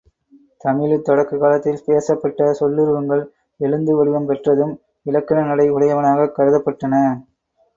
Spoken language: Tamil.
தமிழில் தொடக்கக் காலத்தில் பேசப்பட்ட சொல்லுருவங்கள், எழுந்து வடிவம் பெற்றதும், இலக்கண நடை உடையனவாகக் கருதப்பட்டன.